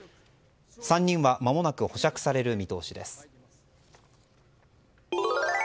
３人は、まもなく保釈される見通しです。